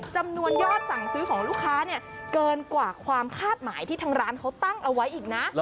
จำนวนยอดสั่งซื้อของลูกค้าเนี่ยเกินกว่าความคาดหมายที่ทางร้านเขาตั้งเอาไว้อีกนะ